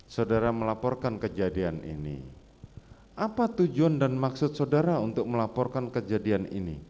saudara melaporkan kejadian ini apa tujuan dan maksud saudara untuk melaporkan kejadian ini